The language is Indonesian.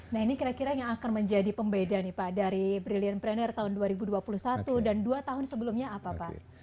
nah ini kira kira yang akan menjadi pembeda nih pak dari brilliant pranner tahun dua ribu dua puluh satu dan dua tahun sebelumnya apa pak